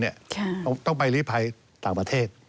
ตัวหน้าพนธุรกิจประวีนต้องไปรีบภัยต่างประเทศ